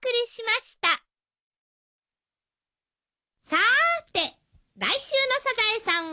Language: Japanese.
さーて来週の『サザエさん』は？